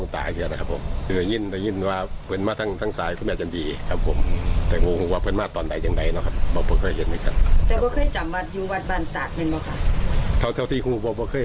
เท่าที่คุณบอกว่าเคยอยู่